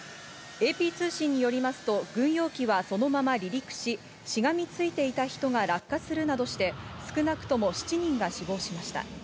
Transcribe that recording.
ＡＰ通信によりますと軍用機はそのまま離陸し、しがみついていた人が落下するなどして、少なくとも７人が死亡しました。